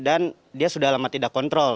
dan dia sudah lama tidak kontrol